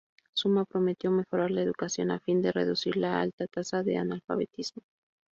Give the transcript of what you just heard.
Zuma prometió mejorar la educación a fin de reducir la alta tasa de analfabetismo.